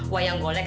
wah yang golek